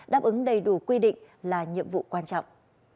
đáp ứng đầy đủ quy định là nhiệm vụ quan trọng